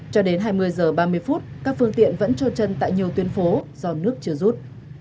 cho đến hai mươi h ba mươi phút các phương tiện vẫn trôi chân tại nhiều tuyến phố do nước chưa rút